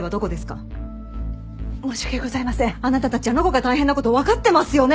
あなたたちあの子が大変な事わかってますよね！？